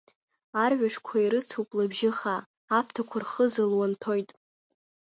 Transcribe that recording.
Арҩашқәа ирыцуп лыбжьы хаа, аԥҭақәа рхыза луанҭоит.